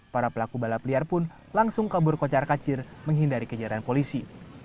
para pelaku balap liar pun langsung kabur kocar kacir menghindari kejaran polisi